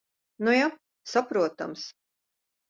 Nu ja. Saprotams.